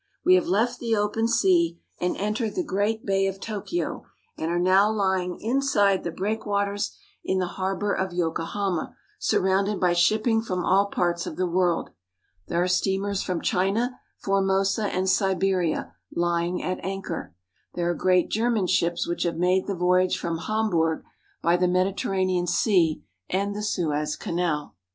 We have left the open sea, and entered the great Bay of Tokyo, and are now lying inside the breakwaters in the harbor of Yokohama sur rounded by shipping from all parts of the world. There are steamers from China, Formosa, and Siberia lying at anchor. There are great German ships which have made the voyage from Hamburg by the Mediterranean Sea and the Suez Canal.